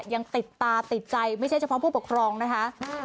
ยังติดตาติดใจไม่ใช่เฉพาะผู้ปกครองนะคะ